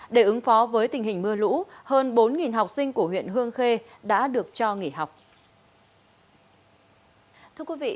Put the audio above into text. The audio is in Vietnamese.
để ứng phó với tình hình mưa lũ hơn bốn học sinh của huyện hương khê đã được cho nghỉ học